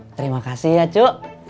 terima kasih ya cuy